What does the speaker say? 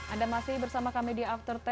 anda masih bersama kami di after sepuluh